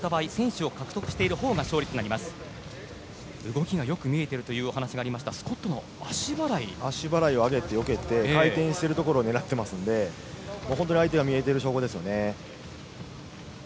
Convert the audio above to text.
動きがよく見えているという話がありましたが足払いをよけて回転しているところを狙っていますので本当に相手が見えている証拠ですよね。